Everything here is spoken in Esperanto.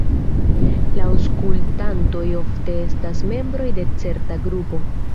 La aŭskultantoj ofte estas membroj de certa grupo.